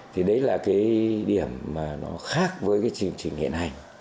thì đấy là cái điểm mà nó khác với cái chương trình hiện hành